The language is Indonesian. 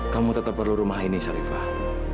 kamu tetap perlu rumah ini syarifah